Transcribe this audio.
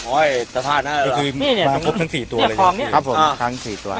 โอ้ยแต่พาดน่ะล่ะนี่เนี้ยคลองเนี้ยครับผมครั้งสี่ตัว